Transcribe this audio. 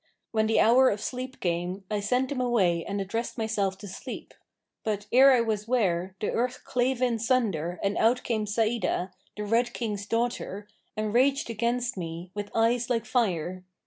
When the hour of sleep came, I sent them away and addressed myself to sleep; but, ere I was ware, the earth clave in sunder and out came Sa'idah, the Red King's daughter, enraged against me, with eyes like fire."